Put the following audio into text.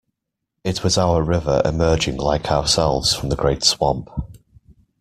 It was our river emerging like ourselves from the great swamp.